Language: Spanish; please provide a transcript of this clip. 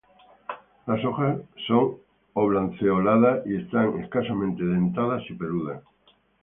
Las hojas son oblanceoladas y están escasamente dentadas y peludas.